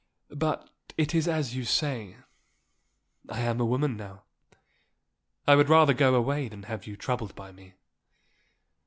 But it is as you say, I am a woman now. I would rather go away than have you troubled by me."